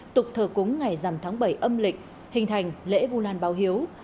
tục thờ cúng ngày dằm tháng bảy âm lịch hình thành lễ vu lan báo hiếu